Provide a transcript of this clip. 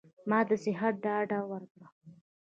ما د صحت ډاډ ورکړ.